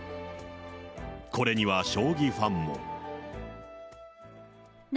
これには将棋ファンも。